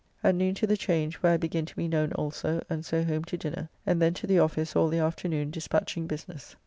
At noon to the Change, where I begin to be known also, and so home to dinner, and then to the office all the afternoon dispatching business.